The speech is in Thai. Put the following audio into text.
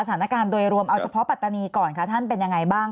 สถานการณ์โดยรวมเอาเฉพาะปัตตานีก่อนค่ะท่านเป็นยังไงบ้าง